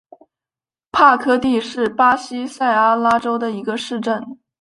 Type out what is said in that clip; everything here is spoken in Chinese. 帕科蒂是巴西塞阿拉州的一个市镇。